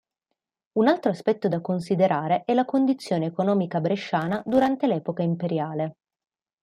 Un altro aspetto da considerare è la condizione economica Bresciana durante l'epoca imperiale.